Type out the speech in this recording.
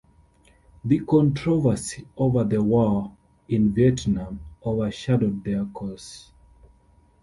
The controversy over the war in Vietnam overshadowed their cause.